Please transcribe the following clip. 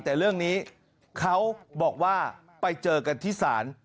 แต่เรื่องนี้เขาบอกว่าไปเจอกันที่ศาล